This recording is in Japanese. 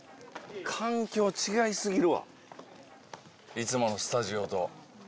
いつものスタジオと。